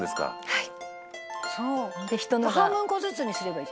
「はい」